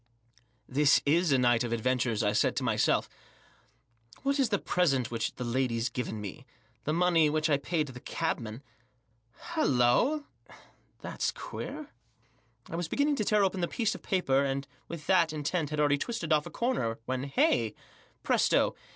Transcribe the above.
" This is a night of adventures," I said to myself. "What is the present which the lady's given me; the money which I paid the cabman ?— Hallo !— That's queer I " I was beginning to tear open the piece of paper, and with that intent had already twisted off a corner, when, hey presto